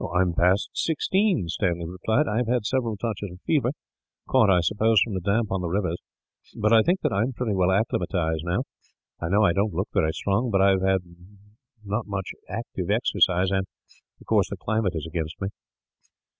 "I am past sixteen," Stanley replied. "I have had several touches of fever caught, I suppose, from the damp on the rivers but I think that I am pretty well acclimatized, now. I know I don't look very strong, but I have not had much active exercise and, of course, the climate is against me."